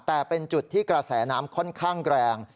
แต่เป็นจุดที่กระแสน้ำค่อนข้างแรง